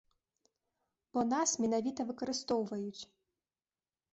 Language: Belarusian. Бо нас менавіта выкарыстоўваюць.